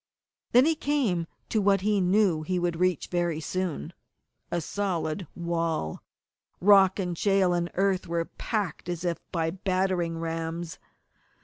_ Then he came to what he knew he would reach very soon, a solid wall! Rock and shale and earth were packed as if by battering rams.